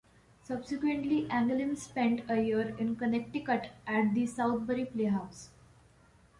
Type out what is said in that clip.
Subsequently, Anglim spent a year in Connecticut at the Southbury Playhouse.